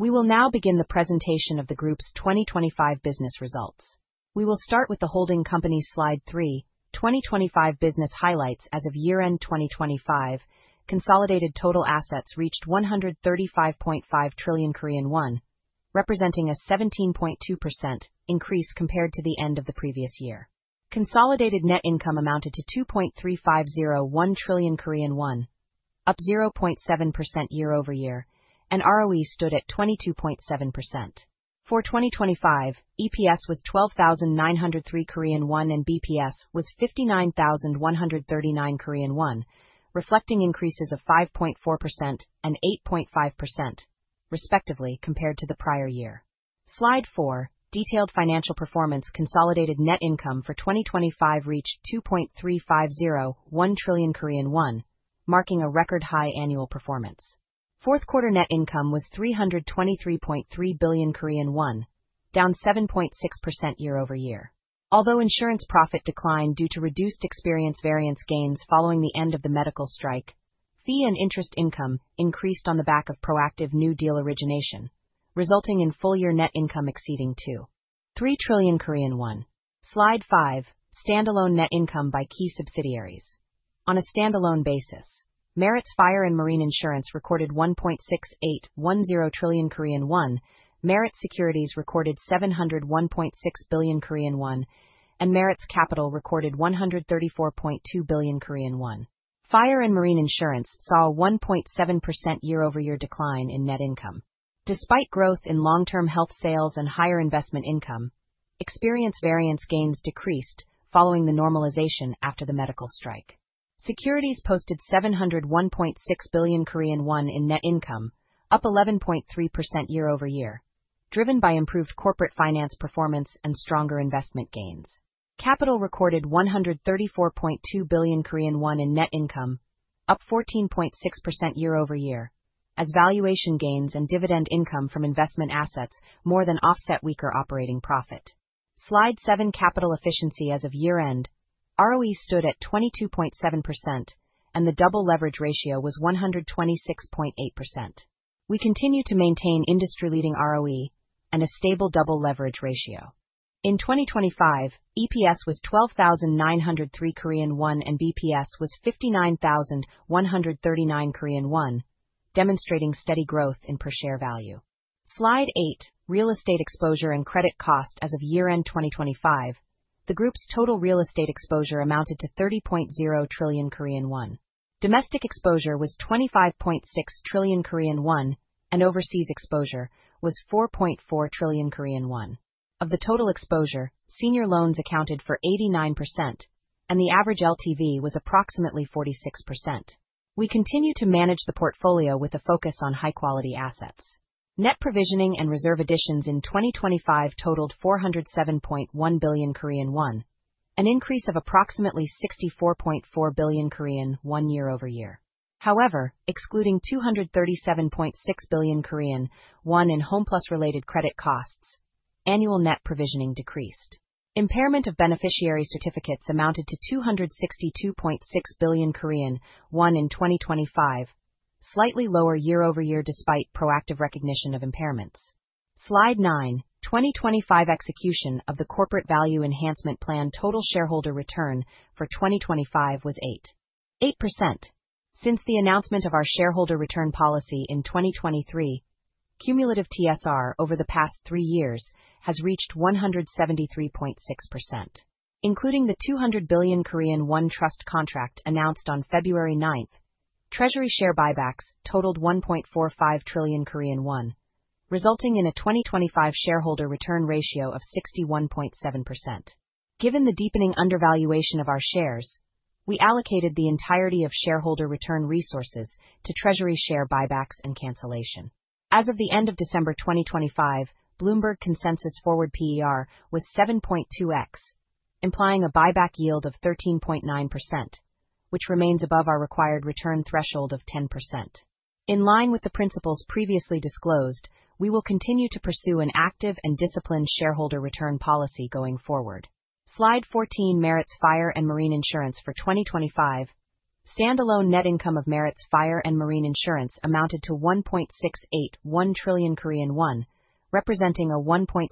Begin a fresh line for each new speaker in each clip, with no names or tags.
We will now begin the presentation of the Group's 2025 business results. We will start with the holding company's slide three: 2025 business highlights. As of year-end 2025, consolidated total assets reached 135.5 trillion Korean won, representing a 17.2% increase compared to the end of the previous year. Consolidated net income amounted to 2.3501 trillion Korean won, up 0.7% year-over-year, and ROE stood at 22.7%. For 2025, EPS was 12,903 Korean won and BPS was 59,139 Korean won, reflecting increases of 5.4% and 8.5%, respectively, compared to the prior year. Slide four, detailed financial performance consolidated net income for 2025 reached 2.3501 trillion Korean won, marking a record-high annual performance. Fourth quarter net income was 323.3 billion Korean won, down 7.6% year-over-year. Although insurance profit declined due to reduced experience variance gains following the end of the medical strike, fee and interest income increased on the back of proactive new deal origination, resulting in full-year net income exceeding to 3 trillion Korean won. Slide five, standalone net income by key subsidiaries. On a standalone basis, Meritz Fire & Marine Insurance recorded 1.6810 trillion Korean won, Meritz Securities recorded 701.6 billion Korean won, and Meritz Capital recorded 134.2 billion Korean won. Fire and Marine Insurance saw a 1.7% year-over-year decline in net income. Despite growth in long-term health sales and higher investment income, experience variance gains decreased following the normalization after the medical strike. Securities posted 701.6 billion Korean won in net income, up 11.3% year-over-year, driven by improved corporate finance performance and stronger investment gains. Capital recorded 134.2 billion Korean won in net income, up 14.6% year-over-year, as valuation gains and dividend income from investment assets more than offset weaker operating profit. Slide seven, capital efficiency as of year-end, ROE stood at 22.7% and the double leverage ratio was 126.8%. We continue to maintain industry-leading ROE and a stable double leverage ratio. In 2025, EPS was 12,903 Korean won and BPS was 59,139 Korean won, demonstrating steady growth in per share value. Slide eight, real estate exposure and credit cost as of year-end 2025, the group's total real estate exposure amounted to 30.0 trillion Korean won. Domestic exposure was 25.6 trillion Korean won and overseas exposure was 4.4 trillion Korean won. Of the total exposure, senior loans accounted for 89% and the average LTV was approximately 46%. We continue to manage the portfolio with a focus on high-quality assets. Net provisioning and reserve additions in 2025 totaled 407.1 billion Korean won, an increase of approximately 64.4 billion Korean won year-over-year. Excluding 237.6 billion Korean won in Homeplus-related credit costs, annual net provisioning decreased. Impairment of beneficiary certificates amounted to 262.6 billion Korean won in 2025, slightly lower year-over-year despite proactive recognition of impairments. Slide nine, 2025 execution of the corporate value enhancement plan total shareholder return for 2025 was 8.8%. Since the announcement of our shareholder return policy in 2023, cumulative TSR over the past three years has reached 173.6%. Including the 200 billion trust contract announced on February 9th, treasury share buybacks totaled 1.45 trillion Korean won, resulting in a 2025 shareholder return ratio of 61.7%. Given the deepening undervaluation of our shares, we allocated the entirety of shareholder return resources to treasury share buybacks and cancellation. As of the end of December 2025, Bloomberg consensus forward PER was 7.2x, implying a buyback yield of 13.9%, which remains above our required return threshold of 10%. In line with the principles previously disclosed, we will continue to pursue an active and disciplined shareholder return policy going forward. Slide 14, Meritz Fire & Marine Insurance for 2025. Standalone net income of Meritz Fire & Marine Insurance amounted to 1.681 trillion Korean won, representing a 1.7%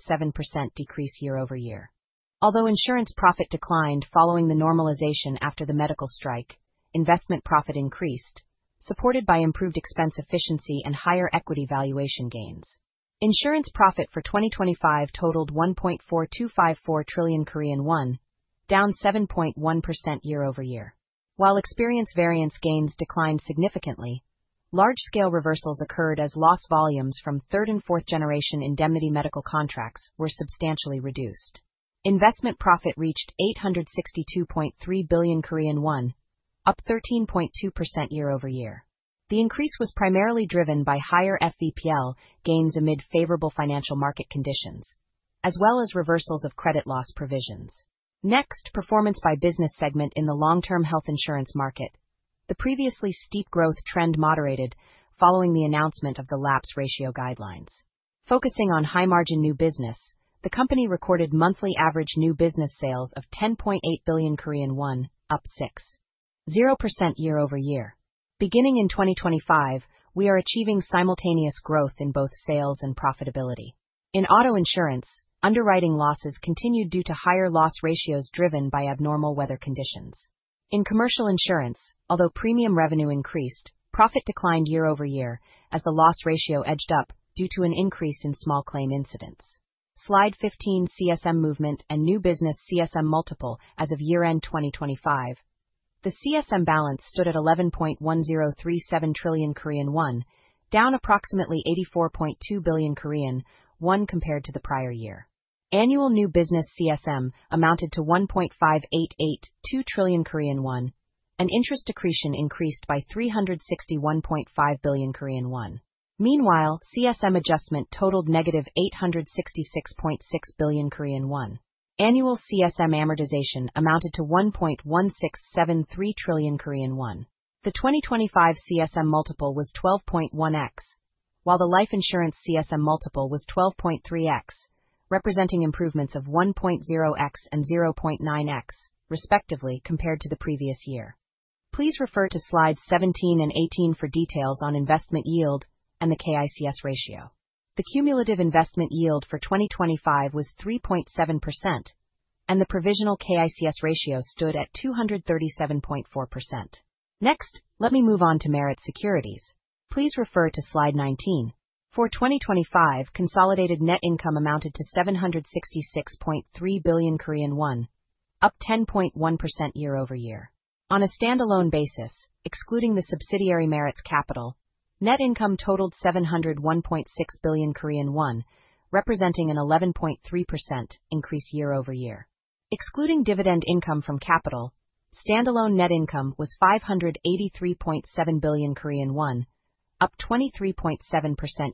decrease year-over-year. Although insurance profit declined following the normalization after the medical strike, investment profit increased, supported by improved expense efficiency and higher equity valuation gains. Insurance profit for 2025 totaled 1.4254 trillion Korean won, down 7.1% year-over-year. While experience variance gains declined significantly, large-scale reversals occurred as loss volumes from third and fourth generation indemnity medical contracts were substantially reduced. Investment profit reached 862.3 billion Korean won, up 13.2% year-over-year. The increase was primarily driven by higher FVPL gains amid favorable financial market conditions, as well as reversals of credit loss provisions. Performance by business segment in the long-term health insurance market. The previously steep growth trend moderated following the announcement of the lapse ratio guidelines. Focusing on high-margin new business, the company recorded monthly average new business sales of 10.8 billion Korean won, up 60% year-over-year. Beginning in 2025, we are achieving simultaneous growth in both sales and profitability. In auto insurance, underwriting losses continued due to higher loss ratios driven by abnormal weather conditions. In commercial insurance, although premium revenue increased, profit declined year-over-year as the loss ratio edged up due to an increase in small claim incidents. Slide 15, CSM movement and new business CSM multiple as of year-end 2025. The CSM balance stood at 11.1037 trillion Korean won, down approximately 84.2 billion Korean won compared to the prior year. Annual new business CSM amounted to 1.5882 trillion Korean won, and interest accretion increased by 361.5 billion Korean won. Meanwhile, CSM adjustment totaled negative 866.6 billion Korean won. Annual CSM amortization amounted to 1.1673 trillion Korean won. The 2025 CSM multiple was 12.1x, while the life insurance CSM multiple was 12.3x, representing improvements of 1.0x and 0.9x, respectively, compared to the previous year. Please refer to slides 17 and 18 for details on investment yield and the KICS ratio. The cumulative investment yield for 2025 was 3.7%, and the provisional KICS ratio stood at 237.4%. Next, let me move on to Meritz Securities. Please refer to slide 19. For 2025, consolidated net income amounted to 766.3 billion Korean won, up 10.1% year-over-year. On a standalone basis, excluding the subsidiary Meritz Capital, net income totaled 701.6 billion Korean won, representing an 11.3% increase year-over-year. Excluding dividend income from capital, standalone net income was 583.7 billion Korean won, up 23.7%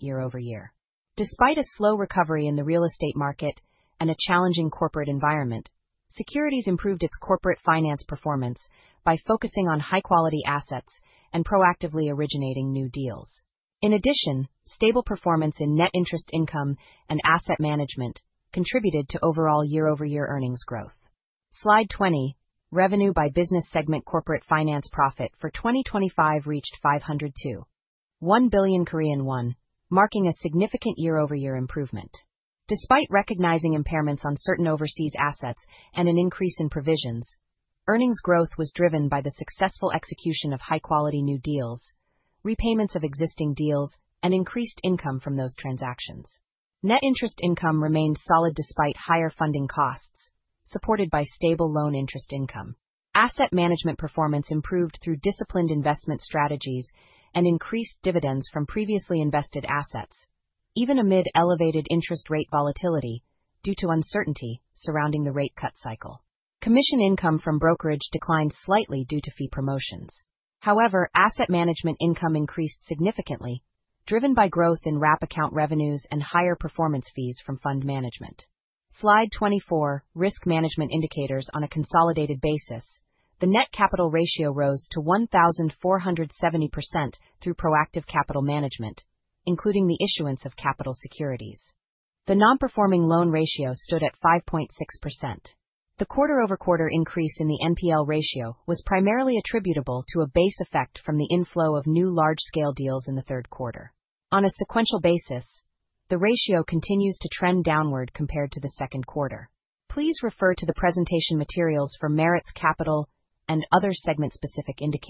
year-over-year. Despite a slow recovery in the real estate market and a challenging corporate environment, Meritz Securities improved its corporate finance performance by focusing on high-quality assets and proactively originating new deals. Stable performance in net interest income and asset management contributed to overall year-over-year earnings growth. Slide 20, revenue by business segment corporate finance profit for 2025 reached 521 billion Korean won, marking a significant year-over-year improvement. Despite recognizing impairments on certain overseas assets and an increase in provisions, earnings growth was driven by the successful execution of high-quality new deals, repayments of existing deals, and increased income from those transactions. Net interest income remained solid despite higher funding costs, supported by stable loan interest income. Asset management performance improved through disciplined investment strategies and increased dividends from previously invested assets, even amid elevated interest rate volatility due to uncertainty surrounding the rate cut cycle. Commission income from brokerage declined slightly due to fee promotions. However, asset management income increased significantly, driven by growth in wrap account revenues and higher performance fees from fund management. Slide 24, risk management indicators on a consolidated basis. The net capital ratio rose to 1,470% through proactive capital management, including the issuance of capital securities. The non-performing loan ratio stood at 5.6%. The quarter-over-quarter increase in the NPL ratio was primarily attributable to a base effect from the inflow of new large-scale deals in the third quarter. On a sequential basis, the ratio continues to trend downward compared to the second quarter. Please refer to the presentation materials for Meritz Capital and other segment-specific indicators.